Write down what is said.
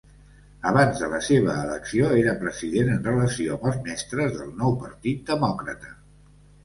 Abans de la seva elecció, era president en relació amb els mestres del Nou Partit Demòcrata.